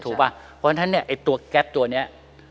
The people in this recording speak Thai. เพราะฉะนั้นกแก๊ปตัวเนี่ย